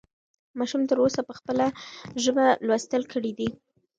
ماشوم تر اوسه په خپله ژبه لوستل کړي دي.